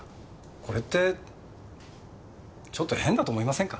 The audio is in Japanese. これってちょっと変だと思いませんか？